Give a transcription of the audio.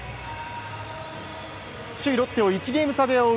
首位ロッテを１ゲーム差で追う